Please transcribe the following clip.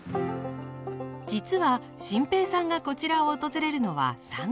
実は心平さんがこちらを訪れるのは３度目。